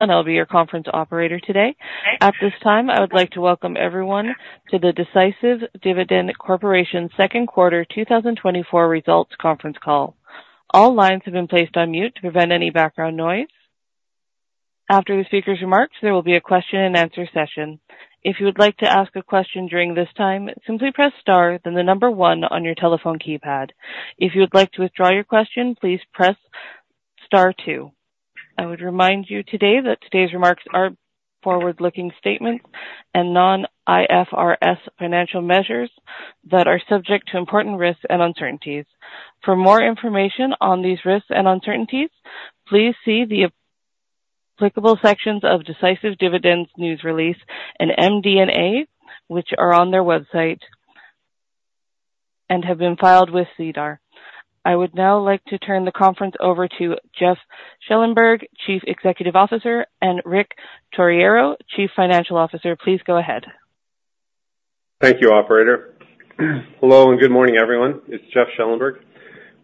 And I'll be your conference operator today. At this time, I would like to welcome everyone to the Decisive Dividend Corporation second quarter 2024 results conference call. All lines have been placed on mute to prevent any background noise. After the speaker's remarks, there will be a question-and-answer session. If you would like to ask a question during this time, simply press star, then the number one on your telephone keypad. If you would like to withdraw your question, please press star two. I would remind you today that today's remarks are forward-looking statements and non-IFRS financial measures that are subject to important risks and uncertainties. For more information on these risks and uncertainties, please see the applicable sections of Decisive Dividend's news release and MD&A, which are on their website and have been filed with SEDAR+. I would now like to turn the conference over to Jeff Schellenberg, Chief Executive Officer, and Please go ahead. Thank you, operator. Hello, and good morning, everyone. It's Jeff Schellenberg.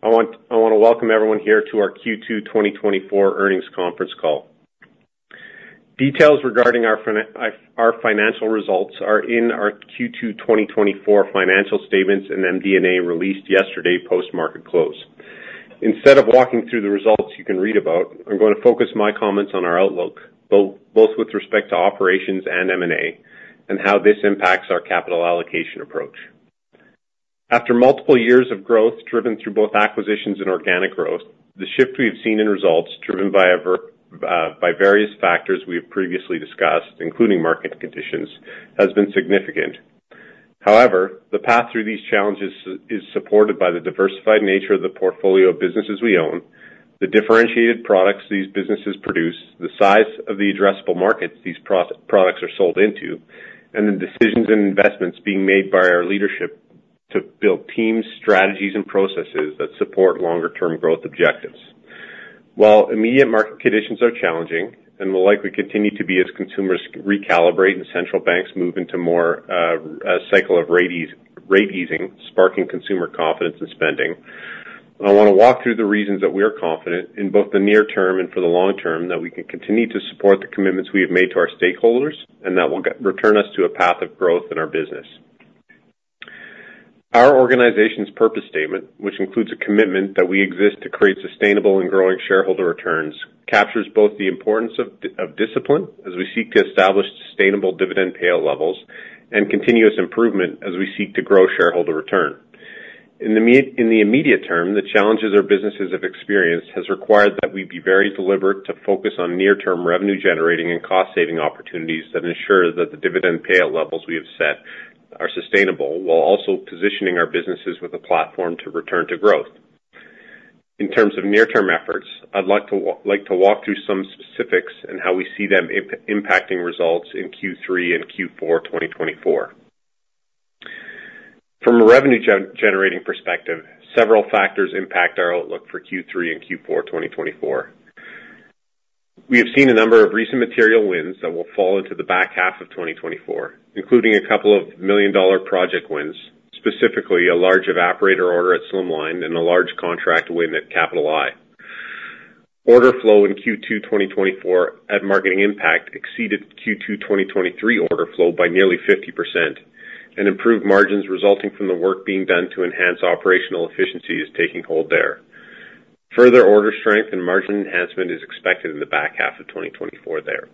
I want to welcome everyone here to our Q2 2024 earnings conference call. Details regarding our financial results are in our Q2 2024 financial statements, and MD&A released yesterday, post market close. Instead of walking through the results you can read about, I'm gonna focus my comments on our outlook, both with respect to operations and M&A, and how this impacts our capital allocation approach. After multiple years of growth, driven through both acquisitions and organic growth, the shift we have seen in results driven by various factors we have previously discussed, including market conditions, has been significant. However, the path through these challenges is supported by the diversified nature of the portfolio of businesses we own, the differentiated products these businesses produce, the size of the addressable markets these products are sold into, and the decisions and investments being made by our leadership to build teams, strategies and processes that support longer-term growth objectives. While immediate market conditions are challenging and will likely continue to be as consumers recalibrate and central banks move into more, a cycle of rate easing, sparking consumer confidence and spending. I want to walk through the reasons that we are confident in both the near term and for the long-term, that we can continue to support the commitments we have made to our stakeholders and that will return us to a path of growth in our business. Our organization's purpose statement, which includes a commitment that we exist to create sustainable and growing shareholder returns, captures both the importance of discipline as we seek to establish sustainable dividend payout levels and continuous improvement as we seek to grow shareholder return. In the immediate term, the challenges our businesses have experienced has required that we be very deliberate to focus on near-term revenue generating and cost saving opportunities that ensure that the dividend payout levels we have set are sustainable, while also positioning our businesses with a platform to return to growth. In terms of near-term efforts, I'd like to walk through some specifics and how we see them impacting results in Q3 and Q4 2024. From a revenue generating perspective, several factors impact our outlook for Q3 and Q4 2024. We have seen a number of recent material wins that will fall into the back half of 2024, including a couple of 2 million dollar project wins, specifically a large evaporator order at Slimline and a large contract win at Capital I. Order flow in Q2 2024 at Marketing Impact exceeded Q2 2023 order flow by nearly 50% and improved margins resulting from the work being done to enhance operational efficiency is taking hold there. Further order strength and margin enhancement is expected in the back half of 2024 there.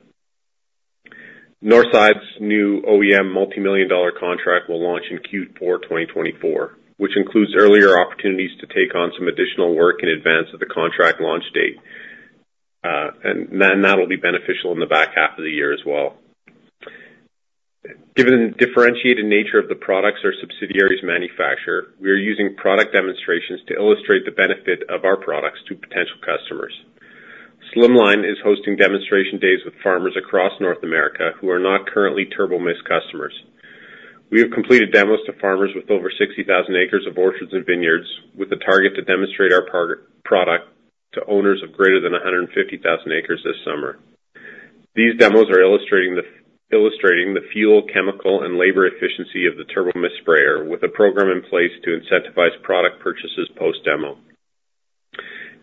Northside's new OEM CAD multi-million-dollar contract will launch in Q4 2024, which includes earlier opportunities to take on some additional work in advance of the contract launch date, and then that'll be beneficial in the back half of the year as well. Given the differentiated nature of the products our subsidiaries manufacture, we are using product demonstrations to illustrate the benefit of our products to potential customers. Slimline is hosting demonstration days with farmers across North America who are not currently Turbo-Mist customers. We have completed demos to farmers with over 60,000 acres of orchards and vineyards, with a target to demonstrate our product to owners of greater than 150,000 acres this summer. These demos are illustrating the fuel, chemical, and labor efficiency of the Turbo-Mist sprayer, with a program in place to incentivize product purchases post-demo.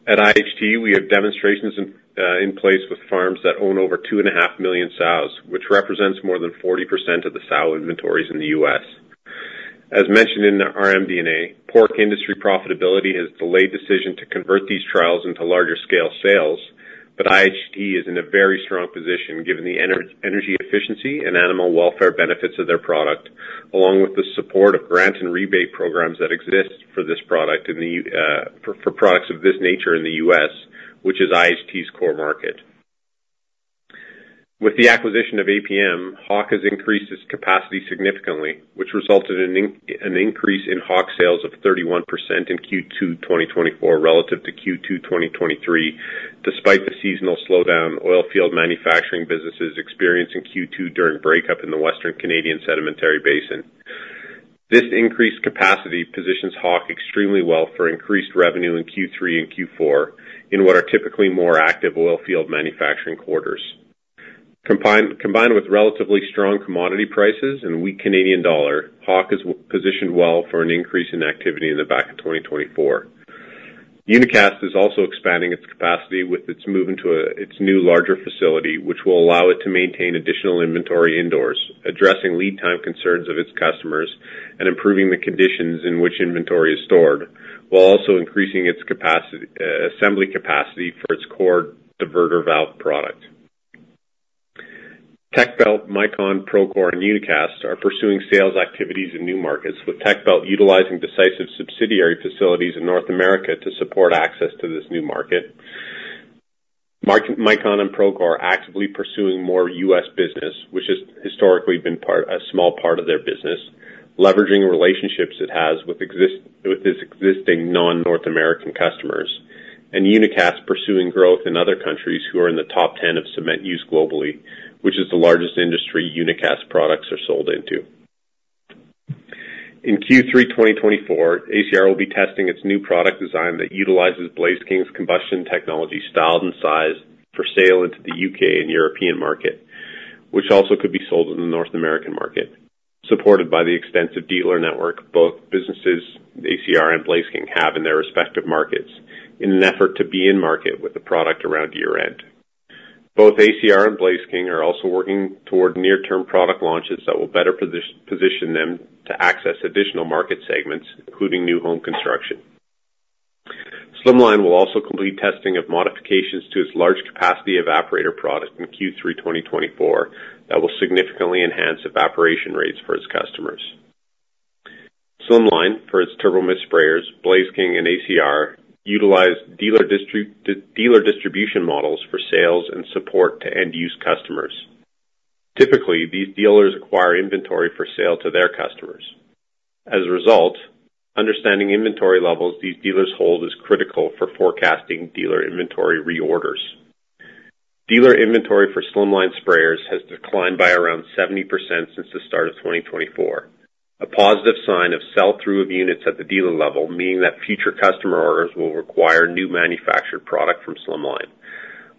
At IHT, we have demonstrations in place with farms that own over 2.5 million sows, which represents more than 40% of the sow inventories in the U.S. As mentioned in our MD&A, pork industry profitability has delayed decision to convert these trials into larger scale sales, but IHT is in a very strong position, given the energy efficiency and animal welfare benefits of their product, along with the support of grant and rebate programs that exist for this product in the for products of this nature in the U.S., which is IHT's core market. With the acquisition of APM, Hawk has increased its capacity significantly, which resulted in an increase in Hawk sales of 31% in Q2 2024 relative to Q2 2023. Despite the seasonal slowdown, oil field manufacturing businesses experienced in Q2 during breakup in the Western Canadian Sedimentary Basin. This increased capacity positions Hawk extremely well for increased revenue in Q3 and Q4, in what are typically more active oil field manufacturing quarters. Combined with relatively strong commodity prices and a weak Canadian dollar, Hawk is positioned well for an increase in activity in the back of 2024. Unicast is also expanding its capacity with its move into its new, larger facility, which will allow it to maintain additional inventory indoors, addressing lead time concerns of its customers and improving the conditions in which inventory is stored, while also increasing its capacity, assembly capacity for its core diverter valve product. Techbelt, Micon, Procore, and Unicast are pursuing sales activities in new markets, with Techbelt utilizing Decisive subsidiary facilities in North America to support access to this new market. Micon and Procore are actively pursuing more U.S. business, which has historically been a small part of their business, leveraging relationships it has with its existing non-North American customers, and Unicast pursuing growth in other countries who are in the top 10 of cement use globally, which is the largest industry Unicast products are sold into. In Q3, 2024, ACR will be testing its new product design that utilizes Blaze King's combustion technology, styled, and sized for sale into the U.K. and European market, which also could be sold in the North American market, supported by the extensive dealer network both businesses, ACR and Blaze King, have in their respective markets, in an effort to be in market with the product around year-end. Both ACR and Blaze King are also working toward near-term product launches that will better position them to access additional market segments, including new home construction. Slimline will also complete testing of modifications to its large capacity evaporator product in Q3 2024, that will significantly enhance evaporation rates for its customers. Slimline, for its Turbo-Mist sprayers, Blaze King, and ACR, utilize dealer distribution models for sales and support to end-use customers. Typically, these dealers acquire inventory for sale to their customers. As a result, understanding inventory levels these dealers hold is critical for forecasting dealer inventory reorders. Dealer inventory for Slimline sprayers has declined by around 70% since the start of 2024, a positive sign of sell-through of units at the dealer level, meaning that future customer orders will require new manufactured product from Slimline.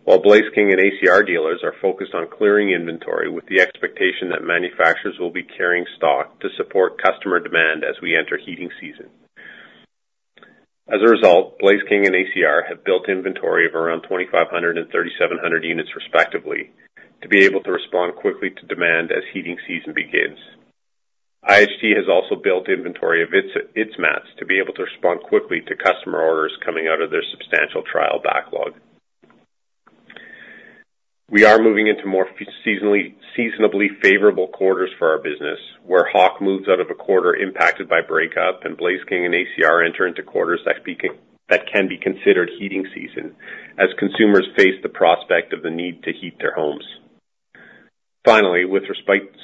While Blaze King and ACR dealers are focused on clearing inventory with the expectation that manufacturers will be carrying stock to support customer demand as we enter heating season. As a result, Blaze King and ACR have built inventory of around 2,500 and 3,700 units, respectively, to be able to respond quickly to demand as heating season begins. IHT has also built inventory of its mats to be able to respond quickly to customer orders coming out of their substantial trial backlog. We are moving into more seasonably favorable quarters for our business, where Hawk moves out of a quarter impacted by break-up, and Blaze King and ACR enter into quarters that can be considered heating season, as consumers face the prospect of the need to heat their homes. Finally, with respect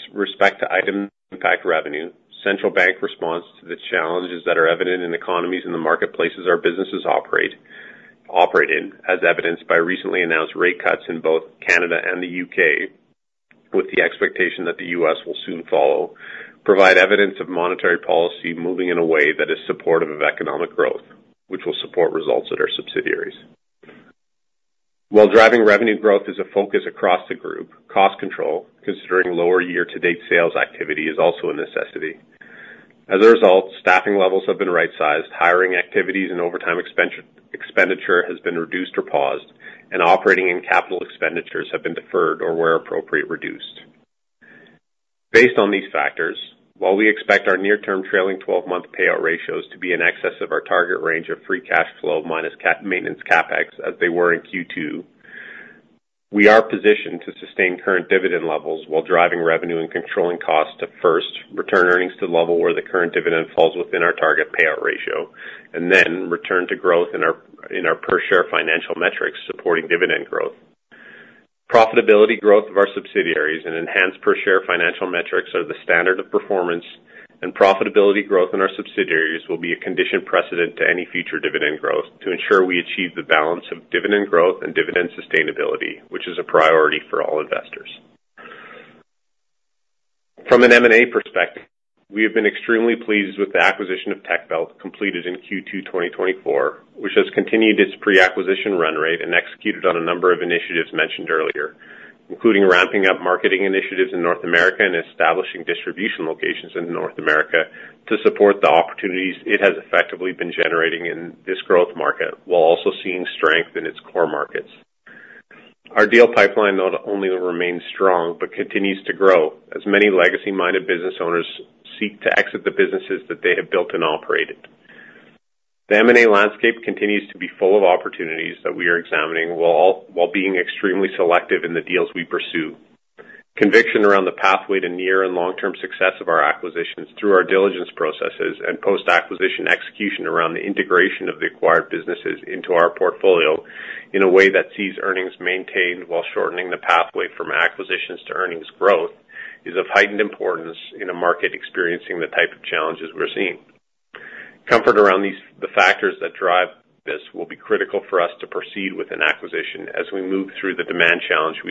to Marketing Impact revenue, central bank response to the challenges that are evident in the economies and the marketplaces our businesses operate in, as evidenced by recently announced rate cuts in both Canada and the U.K., with the expectation that the U.S. will soon follow, provide evidence of monetary policy moving in a way that is supportive of economic growth, which will support results at our subsidiaries. While driving revenue growth is a focus across the group, cost control, considering lower year-to-date sales activity, is also a necessity. As a result, staffing levels have been right-sized, hiring activities and overtime expenditure has been reduced or paused, and operating and capital expenditures have been deferred or, where appropriate, reduced. Based on these factors, while we expect our near-term trailing twelve-month payout ratios to be in excess of our target range of free cash flow minus cap-maintenance CapEx, as they were in Q2, we are positioned to sustain current dividend levels while driving revenue and controlling costs to first return earnings to the level where the current dividend falls within our target payout ratio, and then return to growth in our per-share financial metrics, supporting dividend growth. Profitability growth of our subsidiaries and enhanced per-share financial metrics are the standard of performance, and profitability growth in our subsidiaries will be a condition precedent to any future dividend growth to ensure we achieve the balance of dividend growth and dividend sustainability, which is a priority for all investors. From an M&A perspective, we have been extremely pleased with the acquisition of Techbelt, completed in Q2, 2024, which has continued its pre-acquisition run rate and executed on a number of initiatives mentioned earlier, including ramping up marketing initiatives in North America and establishing distribution locations in North America to support the opportunities it has effectively been generating in this growth market, while also seeing strength in its core markets. Our deal pipeline not only remains strong, but continues to grow, as many legacy-minded business owners seek to exit the businesses that they have built and operated. The M&A landscape continues to be full of opportunities that we are examining, while being extremely selective in the deals we pursue. Conviction around the pathway to near and long-term success of our acquisitions through our diligence processes and post-acquisition execution around the integration of the acquired businesses into our portfolio in a way that sees earnings maintained while shortening the pathway from acquisitions to earnings growth, is of heightened importance in a market experiencing the type of challenges we're seeing. Comfort around these, the factors that drive this will be critical for us to proceed with an acquisition as we move through the demand challenges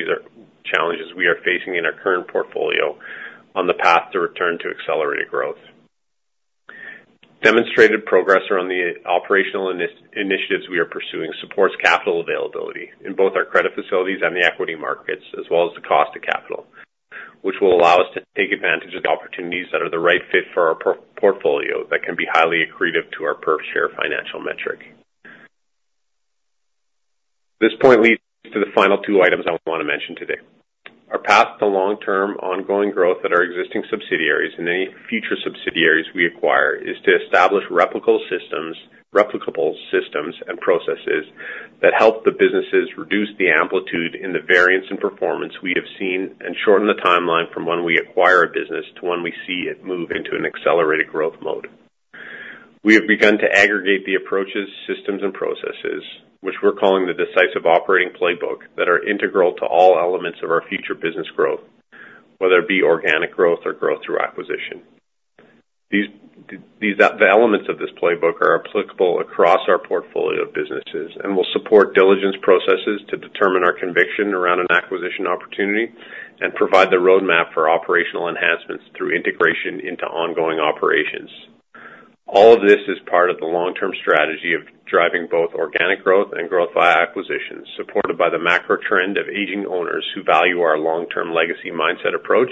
we are facing in our current portfolio on the path to return to accelerated growth. Demonstrated progress around the operational initiatives we are pursuing supports capital availability in both our credit facilities and the equity markets, as well as the cost of capital. Which will allow us to take advantage of the opportunities that are the right fit for our portfolio, that can be highly accretive to our per share financial metric. This point leads to the final two items I want to mention today. Our path to long-term ongoing growth at our existing subsidiaries, and any future subsidiaries we acquire, is to establish replicable systems, replicable systems and processes that help the businesses reduce the amplitude in the variance in performance we have seen, and shorten the timeline from when we acquire a business to when we see it move into an accelerated growth mode. We have begun to aggregate the approaches, systems, and processes, which we're calling the Decisive Operating Playbook, that are integral to all elements of our future business growth, whether it be organic growth or growth through acquisition. These elements of this playbook are applicable across our portfolio of businesses, and will support diligence processes to determine our conviction around an acquisition opportunity, and provide the roadmap for operational enhancements through integration into ongoing operations. All of this is part of the long-term strategy of driving both organic growth and growth via acquisitions, supported by the macro trend of aging owners who value our long-term legacy mindset approach,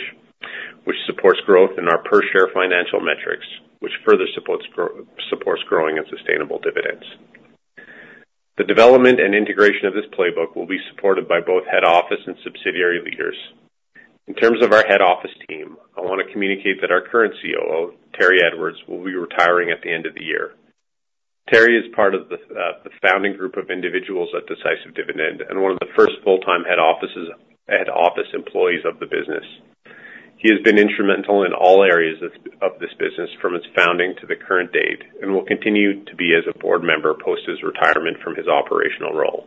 which supports growth in our per share financial metrics, which further supports growing and sustainable dividends. The development and integration of this playbook will be supported by both head office and subsidiary leaders. In terms of our head office team, I want to communicate that our current COO, Terry Edwards, will be retiring at the end of the year. Terry is part of the founding group of individuals at Decisive Dividend, and one of the first full-time head office employees of the business. He has been instrumental in all areas of this business, from its founding to the current date, and will continue to be as a board member post his retirement from his operational role.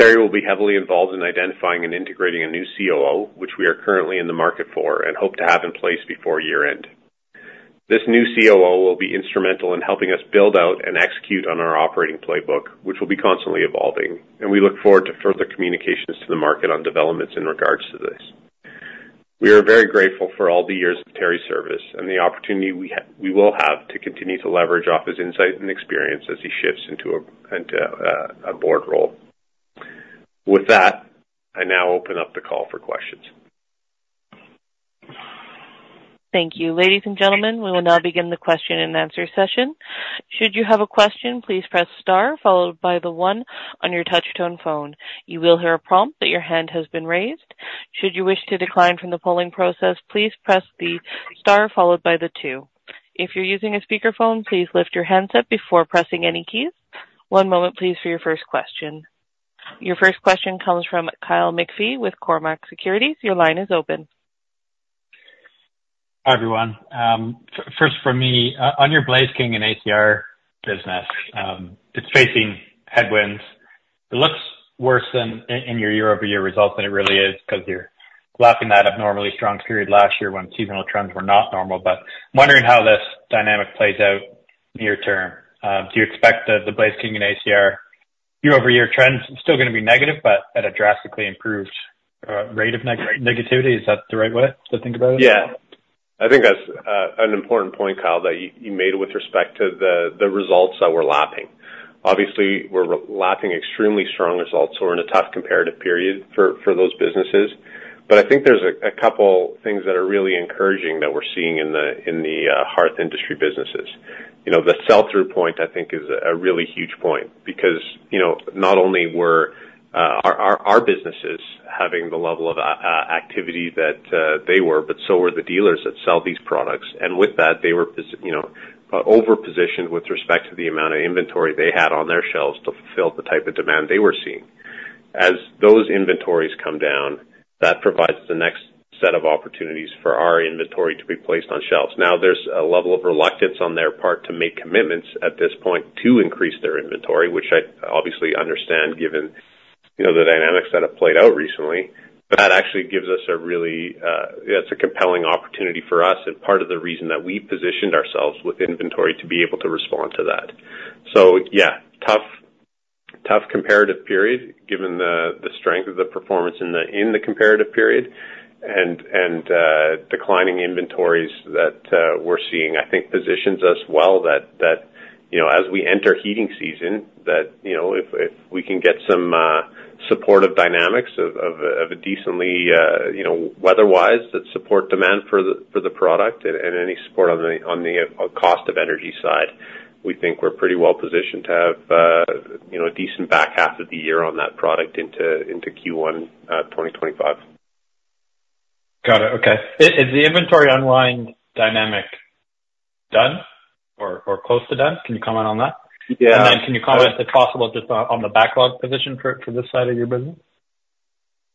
Terry will be heavily involved in identifying and integrating a new COO, which we are currently in the market for, and hope to have in place before year-end. This new COO will be instrumental in helping us build out and execute on our operating playbook, which will be constantly evolving, and we look forward to further communications to the market on developments in regards to this. We are very grateful for all the years of Terry's service, and the opportunity we will have to continue to leverage off his insight and experience as he shifts into a board role. With that, I now open up the call for questions. Thank you. Ladies and gentlemen, we will now begin the question and answer session. Should you have a question, please press star followed by the one on your touch tone phone. You will hear a prompt that your hand has been raised. Should you wish to decline from the polling process, please press the star followed by the two. If you're using a speakerphone, please lift your handset before pressing any keys. One moment please, for your first question. Your first question comes from Kyle McPhee with Cormark Securities. Your line is open. Hi, everyone. First for me, on your Blaze King and ACR business, it's facing headwinds. It looks worse than in your year-over-year results than it really is, 'cause you're lapping that abnormally strong period last year when seasonal trends were not normal. But I'm wondering how this dynamic plays out near-term. Do you expect the Blaze King and ACR year-over-year trends still gonna be negative, but at a drastically improved rate of negativity? Is that the right way to think about it? Yeah. I think that's an important point, Kyle, that you made with respect to the results that we're lapping. Obviously, we're lapping extremely strong results, so we're in a tough comparative period for those businesses. But I think there's a couple things that are really encouraging that we're seeing in the hearth industry businesses. You know, the sell-through point, I think, is a really huge point because, you know, not only were our businesses having the level of activity that they were, but so were the dealers that sell these products. And with that, they were over-positioned with respect to the amount of inventory they had on their shelves to fulfill the type of demand they were seeing. As those inventories come down, that provides the next set of opportunities for our inventory to be placed on shelves. Now, there's a level of reluctance on their part to make commitments at this point to increase their inventory, which I obviously understand given, you know, the dynamics that have played out recently. But that actually gives us a really. It's a compelling opportunity for us, and part of the reason that we positioned ourselves with inventory to be able to respond to that. So yeah, tough, tough comparative period, given the strength of the performance in the comparative period, and declining inventories that we're seeing, I think positions us well that, you know, as we enter heating season, that, you know, if we can get some supportive dynamics of a decently, you know, weather-wise, that support demand for the product and any support on the cost of energy side, we think we're pretty well positioned to have, you know, a decent back half of the year on that product into Q1 2025. Got it. Okay. Is the inventory unwind dynamic done or close to done? Can you comment on that? Yeah. Can you comment, if possible, just on the backlog position for this side of your business?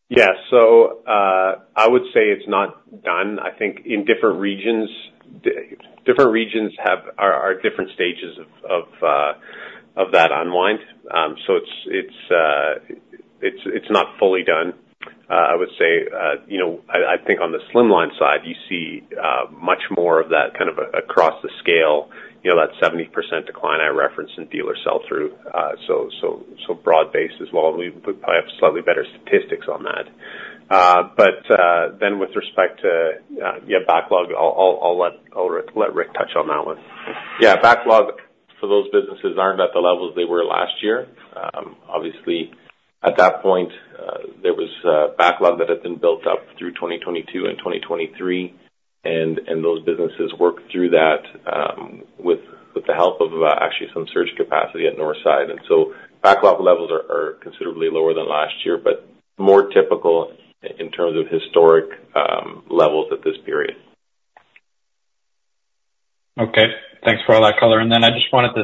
Yeah. So, I would say it's not done. I think in different regions, different regions have... are, are at different stages of, of, that unwind. So it's, it's not fully done. I would say, you know, I think on the Slimline side, you see much more of that kind of across the scale, you know, that 70% decline I referenced in dealer sell-through. So, so broad-based as well. We probably have slightly better statistics on that. But then with respect- Yeah, backlog. I'll let Rick touch on that one. Yeah, backlog for those businesses aren't at the levels they were last year. Obviously, at that point, there was a backlog that had been built up through 2022 and 2023, and those businesses worked through that with the help of actually some surge capacity at Northside. And so backlog levels are considerably lower than last year, but more typical in terms of historic levels at this period. Okay. Thanks for all that color. And then I just wanted to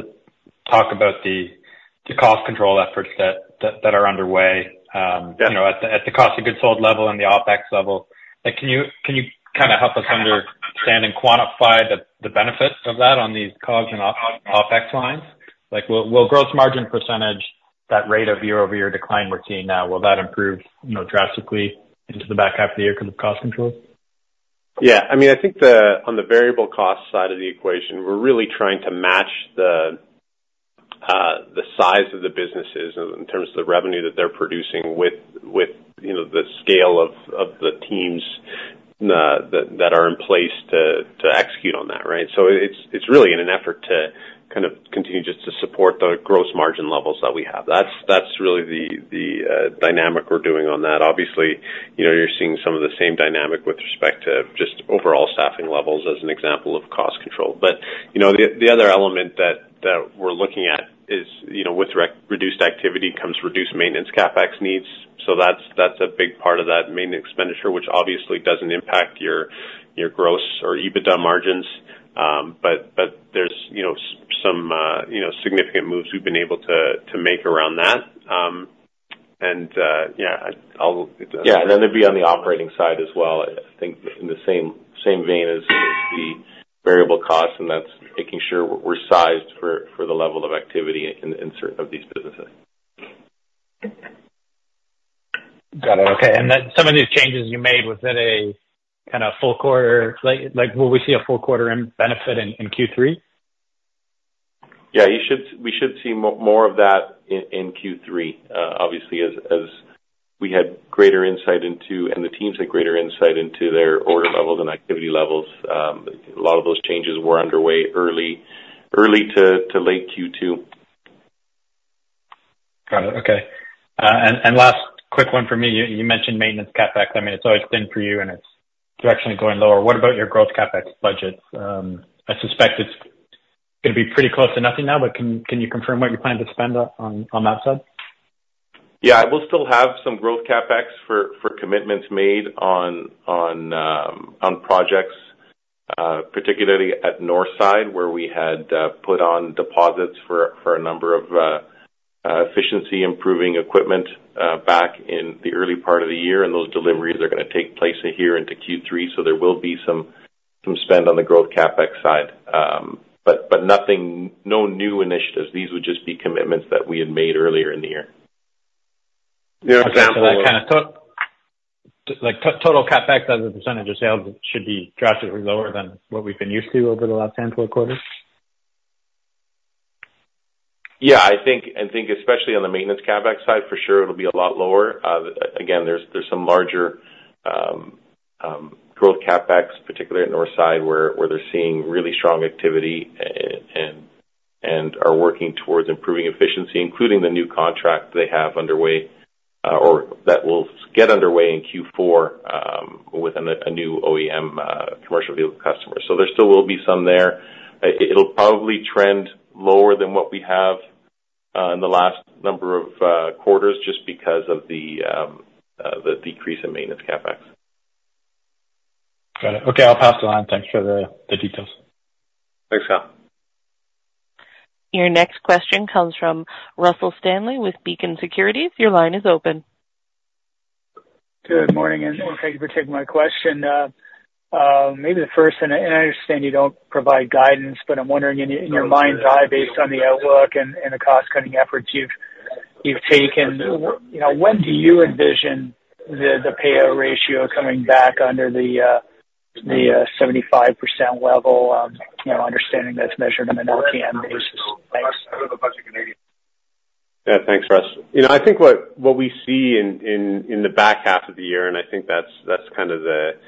talk about the cost control efforts that are underway. Yeah You know, at the cost of goods sold level and the OpEx level. Like, can you kind of help us understand and quantify the benefits of that on these COGS and OpEx lines? Like, will gross margin percentage, that rate of year-over-year decline we're seeing now, will that improve, you know, drastically into the back half of the year because of cost control? Yeah. I mean, I think the on the variable cost side of the equation, we're really trying to match the size of the businesses in terms of the revenue that they're producing with, you know, the scale of the teams that are in place to execute on that, right? So it's really in an effort to kind of continue just to support the gross margin levels that we have. That's really the dynamic we're doing on that. Obviously, you know, you're seeing some of the same dynamic with respect to just overall staffing levels as an example of cost control. But, you know, the other element that we're looking at is, you know, with reduced activity comes reduced maintenance CapEx needs. So that's a big part of that maintenance expenditure, which obviously doesn't impact your gross or EBITDA margins. But there's, you know, some, you know, significant moves we've been able to make around that. And then it'd be on the operating side as well, I think in the same vein as the variable cost, and that's making sure we're sized for the level of activity in certain of these businesses. Got it. Okay. And then some of these changes you made, was it a kind of full quarter? Like, like, will we see a full quarter in benefit in, in Q3? Yeah, you should, we should see more of that in Q3. Obviously, as we had greater insight into, and the teams had greater insight into their order levels and activity levels, a lot of those changes were underway early-to-late Q2. Got it. Okay. And last quick one for me. You mentioned maintenance CapEx. I mean, it's always been for you, and it's directionally going lower. What about your growth CapEx budget? I suspect it's gonna be pretty close to nothing now, but can you confirm what you plan to spend on that side? Yeah, we'll still have some growth CapEx for commitments made on projects, particularly at Northside, where we had put on deposits for a number of efficiency-improving equipment back in the early part of the year, and those deliveries are gonna take place here into Q3. So there will be some spend on the growth CapEx side. But nothing, no new initiatives. These would just be commitments that we had made earlier in the year. Okay. So that kind of total CapEx as a percentage of sales should be drastically lower than what we've been used to over the last handful of quarters? Yeah, I think, I think especially on the maintenance CapEx side, for sure it'll be a lot lower. Again, there's some larger growth CapEx, particularly at Northside, where they're seeing really strong activity and are working towards improving efficiency, including the new contract they have underway, or that will get underway in Q4, with a new OEM commercial vehicle customer. So there still will be some there. It'll probably trend lower than what we have in the last number of quarters, just because of the decrease in maintenance CapEx. Got it. Okay, I'll pass the line. Thanks for the details. Thanks, Kyle. Your next question comes from Russell Stanley with Beacon Securities. Your line is open. Good morning, and thank you for taking my question. Maybe the first, and I understand you don't provide guidance, but I'm wondering in your mind, based on the outlook and the cost-cutting efforts you've taken, you know, when do you envision the payout ratio coming back under the 75% level, you know, understanding that's measured on an LTM basis? Thanks. Yeah. Thanks, Russ. You know, I think what we see in the back half of the year, and I think that's kind of the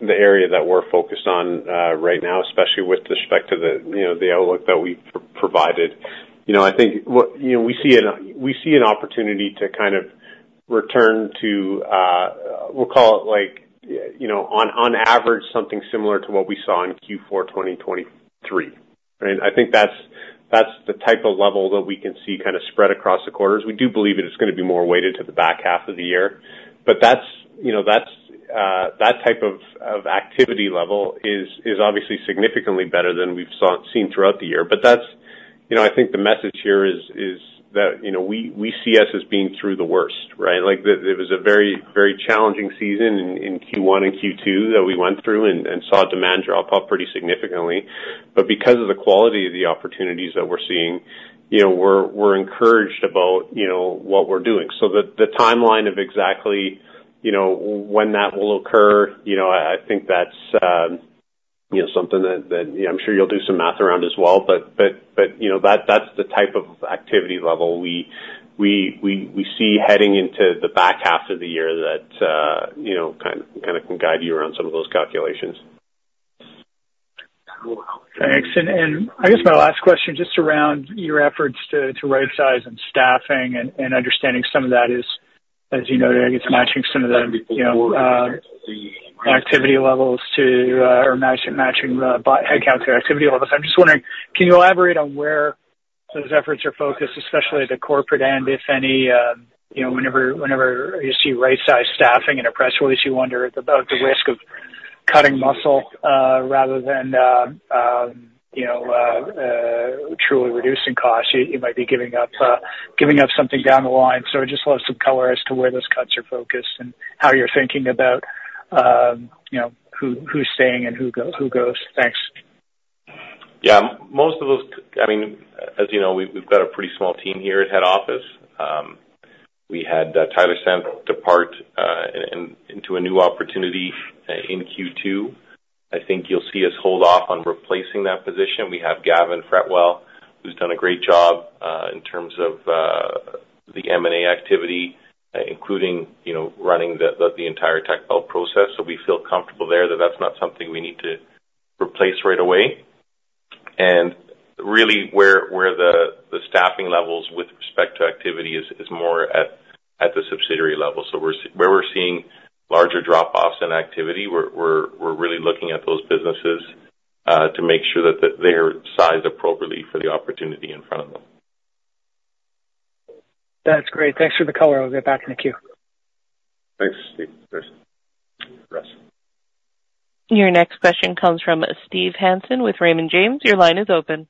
area that we're focused on right now, especially with respect to the outlook that we provided. You know, I think what, you know, we see an opportunity to kind of return to, we'll call it like, you know, on average, something similar to what we saw in Q4 2023, right? I think that's the type of level that we can see kind of spread across the quarters. We do believe that it's gonna be more weighted to the back half of the year. But that's, you know, that's that type of activity level is obviously significantly better than we've seen throughout the year. But that's, you know, I think the message here is that, you know, we see us as being through the worst, right? Like, it was a very, very challenging season in Q1 and Q2 that we went through and saw demand drop off pretty significantly. But because of the quality of the opportunities that we're seeing, you know, we're encouraged about, you know, what we're doing. So the timeline of exactly, you know, when that will occur, you know, I think that's, you know, something that, yeah, I'm sure you'll do some math around as well. But, you know, that's the type of activity level we see heading into the back half of the year that, you know, kinda can guide you around some of those calculations. Thanks. And I guess my last question, just around your efforts to rightsize and staffing and understanding some of that is, as you noted, I guess, matching some of the, you know, activity levels to, or matching the headcount to activity levels. I'm just wondering, can you elaborate on where those efforts are focused, especially at the corporate end, if any, you know, whenever you see rightsize staffing in a press release, you wonder about the risk of cutting muscle, rather than, you know, truly reducing costs. You might be giving up, giving up something down the line. So I just want some color as to where those cuts are focused and how you're thinking about, you know, who's staying and who goes? Thanks. Yeah. Most of those, I mean, as you know, we've got a pretty small team here at head office. We had Tyler Sump depart into a new opportunity in Q2. I think you'll see us hold off on replacing that position. We have Gavin Fretwell, who's done a great job in terms of the M&A activity, including, you know, running the entire Techbelt process. So we feel comfortable there that that's not something we need to replace right away. And really, where the staffing levels with respect to activity is more at the subsidiary level. So we're where we're seeing larger drop-offs in activity, we're really looking at those businesses to make sure that they're sized appropriately for the opportunity in front of them. That's great. Thanks for the color. I'll get back in the queue. Thanks, Russell. Thanks. Your next question comes from Steve Hansen with Raymond James. Your line is open.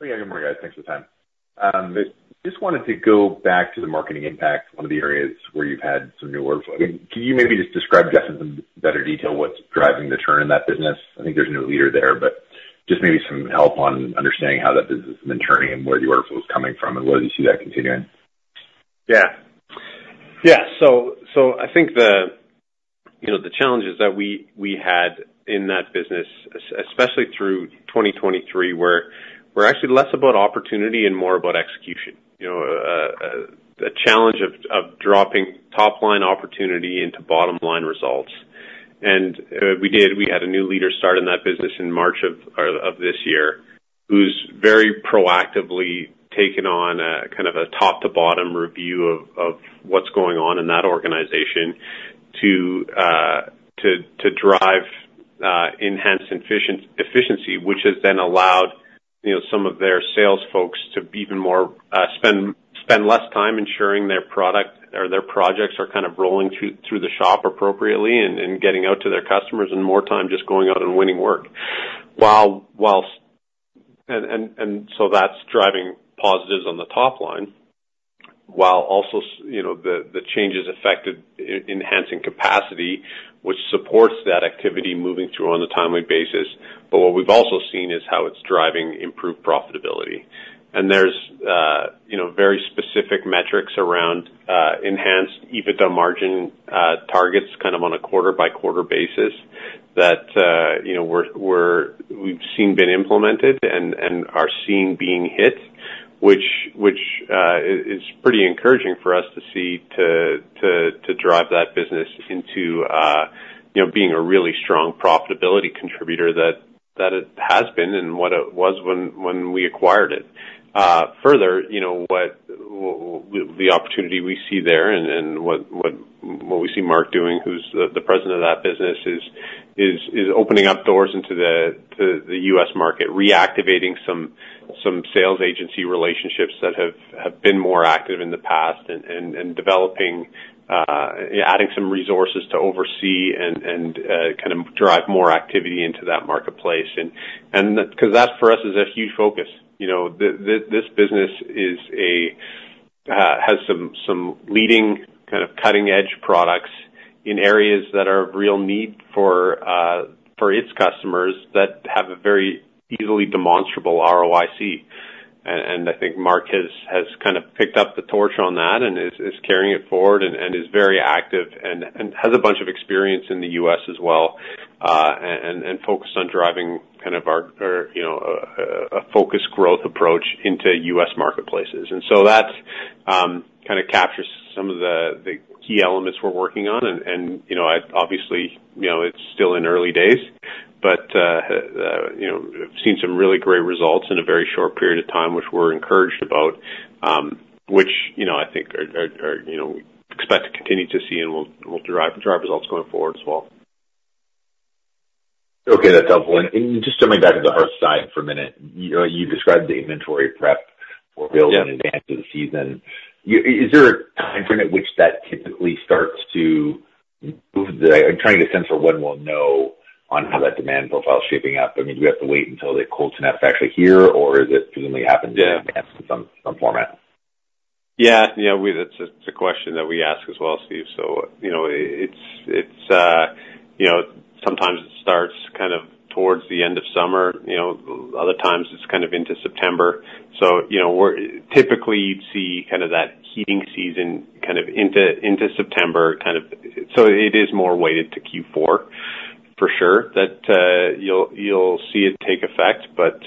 Hey, good morning, guys. Thanks for the time. Just wanted to go back to the Marketing Impact, one of the areas where you've had some new workflow. Can you maybe just describe just in some better detail what's driving the turn in that business? I think there's a new leader there, but just maybe some help on understanding how that business has been turning and where the workflow is coming from, and whether you see that continuing. Yeah. Yeah, so, so I think the, you know, the challenges that we had in that business, especially through 2023, were actually less about opportunity and more about execution. You know, the challenge of dropping top-line opportunity into bottom-line results. And we did. We had a new leader start in that business in March of this year, who's very proactively taken on a kind of a top-to-bottom review of what's going on in that organization to drive enhanced efficiency, which has then allowed, you know, some of their sales folks to be even more, spend less time ensuring their product or their projects are kind of rolling through the shop appropriately and getting out to their customers, and more time just going out and winning work. And so that's driving positives on the top line, while also you know, the changes affected enhancing capacity, which supports that activity moving through on a timely basis. But what we've also seen is how it's driving improved profitability. And there's you know, very specific metrics around enhanced EBITDA margin targets, kind of on a quarter-by-quarter basis, that you know, we've seen been implemented and are seeing being hit, which is pretty encouraging for us to see, to drive that business into you know, being a really strong profitability contributor that it has been and what it was when we acquired it. Further, you know, what the opportunity we see there and what we see Mark doing, who's the president of that business, is opening up doors into the U.S. market, reactivating some sales agency relationships that have been more active in the past, and developing, adding some resources to oversee and kind of drive more activity into that marketplace. Because that, for us, is a huge focus. You know, this business is a has some leading kind of cutting-edge products in areas that are of real need for its customers that have a very easily demonstrable ROIC. I think Mark has kind of picked up the torch on that and is carrying it forward, and is very active and has a bunch of experience in the U.S. as well, and focused on driving kind of our, or, you know, a focused growth approach into U.S. marketplaces. And so that kind of captures some of the key elements we're working on. And you know, I obviously, you know, it's still in early days, but you know, we've seen some really great results in a very short period of time, which we're encouraged about, which, you know, I think are you know, we expect to continue to see and will drive results going forward as well. Okay, that's helpful. And just jumping back to the hearth side for a minute. You described the inventory prep for build. Yeah. In advance of the season. Is there a time frame at which that typically starts to move? I'm trying to sense for when we'll know on how that demand profile is shaping up. I mean, do we have to wait until the cold snap is actually here, or is it generally happening. Yeah. In some format? Yeah, you know, we, that's a question that we ask as well, Steve. So, you know, it's, you know, sometimes it starts kind of towards the end of summer. You know, other times, it's kind of into September. So, you know, we're typically, you'd see kind of that heating season kind of into September, kind of. So it is more weighted to Q4, for sure, that you'll see it take effect. But,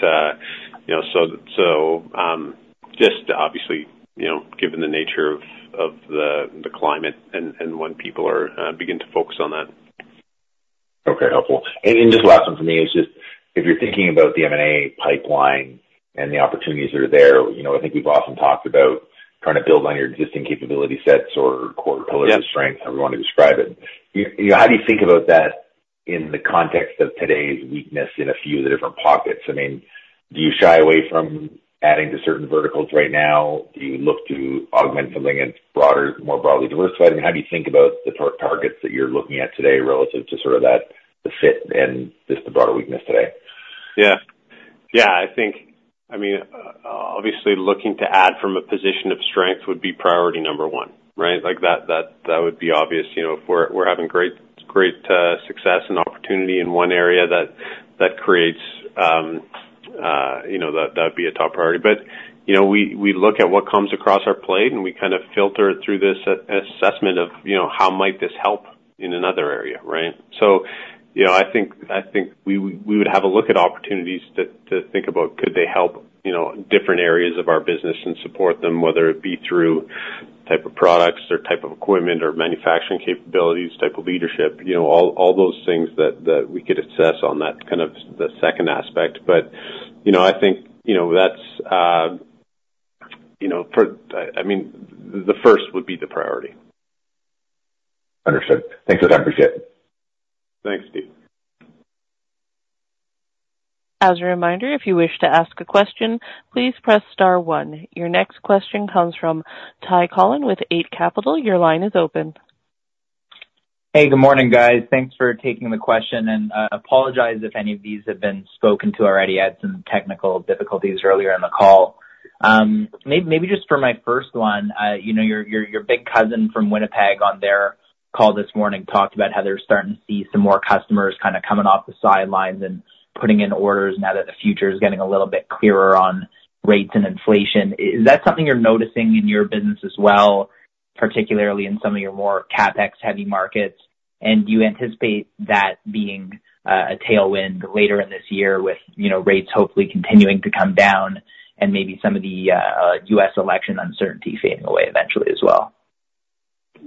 you know, so, just obviously, you know, given the nature of the climate and when people begin to focus on that. Okay, helpful. Just last one for me is just if you're thinking about the M&A pipeline and the opportunities that are there, you know. I think we've often talked about trying to build on your existing capability sets or core pillars. Of strength, however you want to describe it. You know, how do you think about that in the context of today's weakness in a few of the different pockets? I mean, do you shy away from adding to certain verticals right now? Do you look to augment something in broader, more broadly diversified? I mean, how do you think about the targets that you're looking at today relative to sort of that, the fit and just the broader weakness today? Yeah. Yeah, I think, I mean, obviously, looking to add from a position of strength would be priority number one, right? Like, that would be obvious. You know, if we're having great success and opportunity in one area, that creates, you know, that'd be a top priority. But, you know, we look at what comes across our plate, and we kind of filter it through this assessment of, you know, how might this help in another area, right? So, you know, I think we would have a look at opportunities to think about could they help, you know, different areas of our business and support them, whether it be through type of products or type of equipment or manufacturing capabilities, type of leadership, you know, all those things that we could assess on that kind of the second aspect. But, you know, I think, you know, that's, you know, I mean, the first would be the priority. Understood. Thanks for that. I appreciate it. Thanks, Steve. As a reminder, if you wish to ask a question, please press star one. Your next question comes from Ty Collin with Eight Capital. Your line is open. Hey, good morning, guys. Thanks for taking the question, and apologize if any of these have been spoken to already. I had some technical difficulties earlier in the call. Maybe just for my first one, you know, your big cousin from Winnipeg on their call this morning talked about how they're starting to see some more customers kind of coming off the sidelines and putting in orders now that the future is getting a little bit clearer on rates and inflation. Is that something you're noticing in your business as well, particularly in some of your more CapEx-heavy markets? And do you anticipate that being a tailwind later in this year with, you know, rates hopefully continuing to come down and maybe some of the U.S. election uncertainty fading away eventually as well?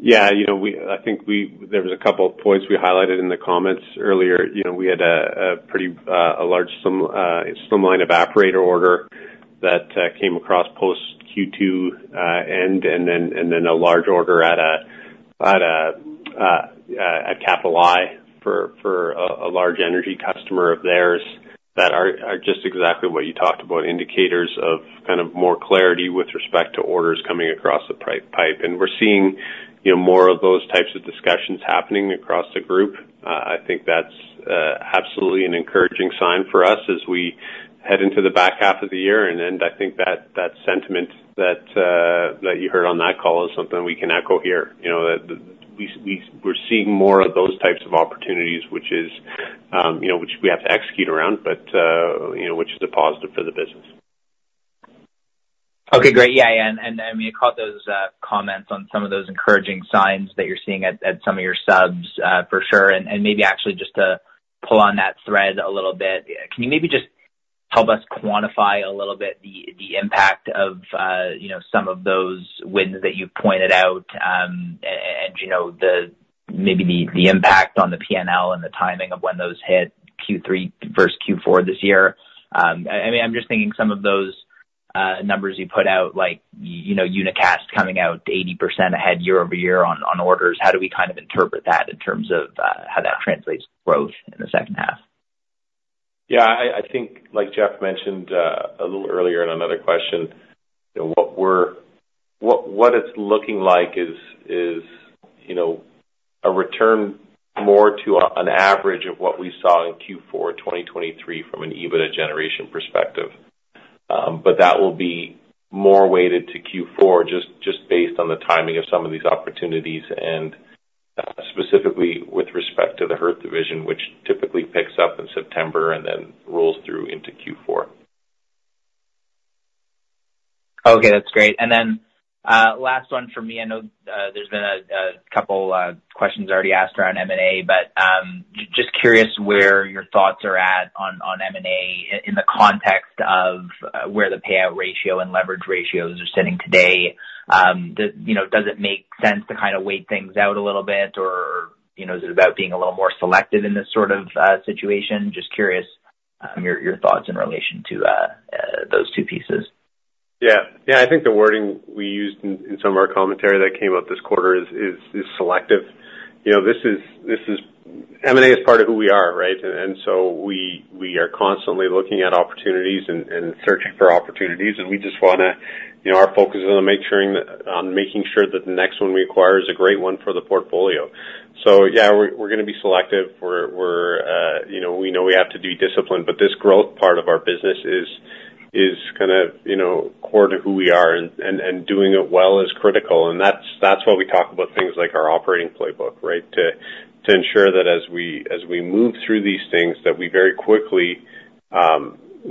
Yeah, you know, I think we there was a couple of points we highlighted in the comments earlier. You know, we had a pretty a large Slimline evaporator order that came across post Q2 end, and then a large order at a Capital I for a large energy customer of theirs that are just exactly what you talked about, indicators of kind of more clarity with respect to orders coming across the pipeline. And we're seeing, you know, more of those types of discussions happening across the group. I think that's absolutely an encouraging sign for us as we head into the back half of the year. And then I think that sentiment that you heard on that call is something we can echo here. You know, that we're seeing more of those types of opportunities, which is, you know, which we have to execute around, but, you know, which is a positive for the business. Okay, great. Yeah, and, and, I mean, you caught those comments on some of those encouraging signs that you're seeing at some of your subs, for sure. And, and maybe actually just to pull on that thread a little bit, can you maybe just help us quantify a little bit the impact of, you know, some of those wins that you've pointed out, and, you know, maybe the impact on the PNL and the timing of when those hit Q3 versus Q4 this year? I mean, I'm just thinking some of those numbers you put out, like, you know, Unicast coming out 80% ahead year-over-year on orders. How do we kind of interpret that in terms of, how that translates growth in the second half? Yeah, I think, like Jeff mentioned a little earlier in another question, you know, what it's looking like is, you know, a return more to an average of what we saw in Q4 2023 from an EBITDA generation perspective. But that will be more weighted to Q4, just based on the timing of some of these opportunities, and specifically with respect to the Hearth Division, which typically picks up in September and then rolls through into Q4. Okay, that's great. And then, last one for me. I know, there's been a couple questions already asked around M&A, but just curious where your thoughts are at on M&A in the context of where the payout ratio and leverage ratios are sitting today. You know, does it make sense to kind of wait things out a little bit, or, you know, is it about being a little more selective in this sort of situation? Just curious, your thoughts in relation to those two pieces. Yeah. Yeah, I think the wording we used in some of our commentary that came out this quarter is selective. You know, this is, M&A is part of who we are, right? And so we are constantly looking at opportunities and searching for opportunities, and we just wanna... You know, our focus is on making sure making sure that the next one we acquire is a great one for the portfolio. So yeah, we're, you know, we know we have to be disciplined, but this growth part of our business is kind of, you know, core to who we are, and doing it well is critical, and that's why we talk about things like our operating playbook. to ensure that as we move through these things, that we very quickly, you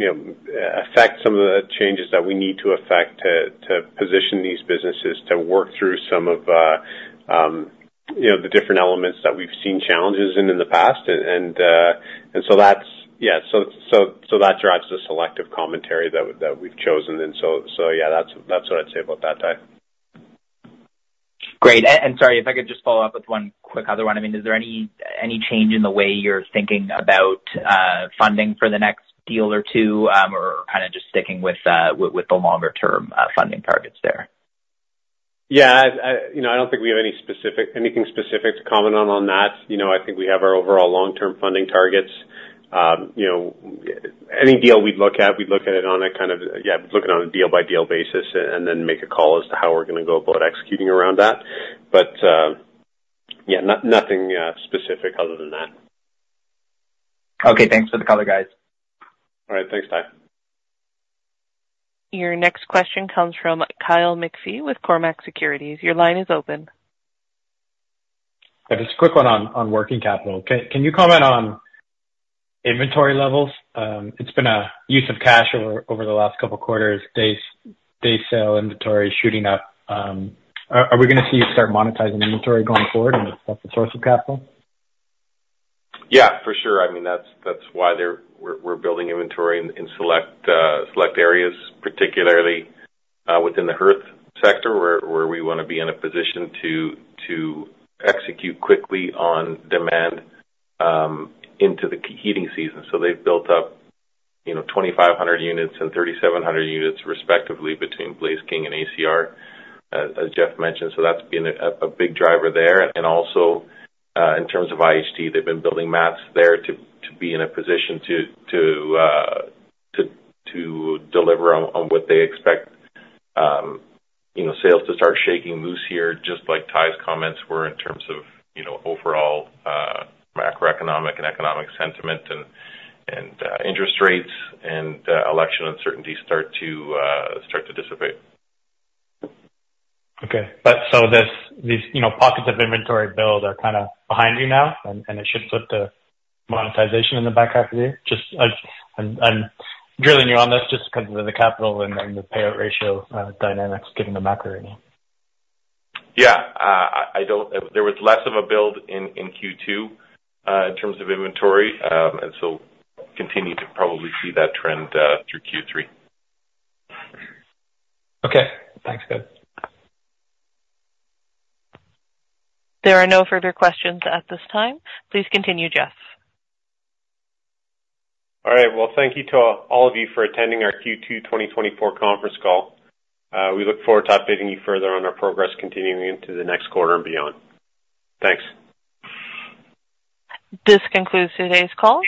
know, affect some of the changes that we need to affect to position these businesses to work through some of, you know, the different elements that we've seen challenges in the past. And, and so that's. Yeah, so, so, so that drives the selective commentary that we've chosen. And so, so yeah, that's, that's what I'd say about that, Ty. Great. And sorry, if I could just follow up with one quick other one. I mean, is there any change in the way you're thinking about funding for the next deal or two, or kind of just sticking with the longer-term funding targets there? Yeah, you know, I don't think we have any specific anything specific to comment on, on that. You know, I think we have our overall long-term funding targets. You know, any deal we'd look at, we'd look at it on a deal-by-deal basis, and then make a call as to how we're gonna go about executing around that. But, yeah, nothing specific other than that. Okay, thanks for the color, guys. All right, thanks, Ty. Your next question comes from Kyle McPhee with Cormark Securities. Your line is open. Just a quick one on working capital. Can you comment on inventory levels? It's been a use of cash over the last couple quarters, days sales inventory shooting up. Are we gonna see you start monetizing inventory going forward as the source of capital? Yeah, for sure. I mean, that's, that's why they're, we're, we're building inventory in, in select, select areas, particularly, within the Hearth sector, where, where we wanna be in a position to, to execute quickly on demand, into the heating season. So they've built up, you know, 2,500 units and 3,700 units, respectively, between Blaze King and ACR, as Jeff mentioned. So that's been a big driver there. And also, in terms of IHT, they've been building mats there to, to be in a position to, to, to deliver on, on what they expect, you know, sales to start shaking loose here, just like Ty's comments were in terms of, you know, overall, macroeconomic and economic sentiment, and, and, interest rates and, election uncertainty start to, start to dissipate. Okay. But so this, these, you know, pockets of inventory build are kind of behind you now, and, and it should flip the monetization in the back half of the year? Just I'm, I'm drilling you on this just because of the capital and, and the payout ratio dynamics, given the macro right now. Yeah. I don't. There was less of a build in Q2 in terms of inventory, and so continue to probably see that trend through Q3. Okay. Thanks, guys. There are no further questions at this time. Please continue, Jeff. All right. Well, thank you to all of you for attending our Q2 2024 conference call. We look forward to updating you further on our progress, continuing into the next quarter and beyond. Thanks. This concludes today's call.